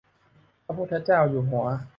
พระพุทธเจ้าอยู่หัว